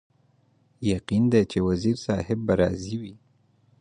یقین دی چې وزیر صاحب به راضي وي.